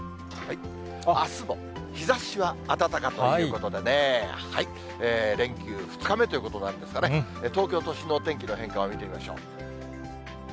あすも日ざしは暖かということで、連休２日目ということなんですがね、東京都心のお天気の変化を見てみましょう。